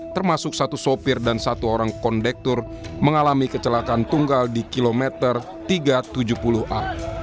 termasuk satu sopir dan satu orang kondektur mengalami kecelakaan tunggal di kilometer tiga ratus tujuh puluh a